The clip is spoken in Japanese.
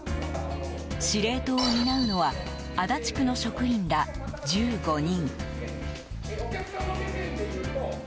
司令塔を担うのは足立区の職員ら１５人。